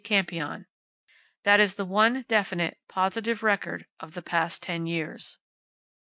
Campion. That is the one definite, positive record of the past ten years.